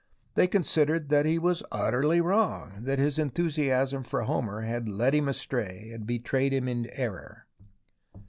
They considered that he was utterly wrong, that his enthusiasm for Homer had led him astray and betrayed him into error.